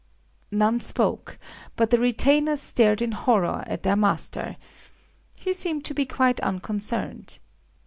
None spoke; but the retainers stared in horror at their master. He seemed to be quite unconcerned.